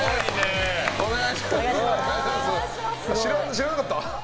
知らなかった？